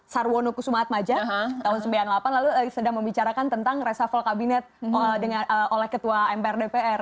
sarwono kusumat maja tahun sembilan puluh delapan lalu sedang membicarakan tentang reshuffle kabinet oleh ketua mpr dpr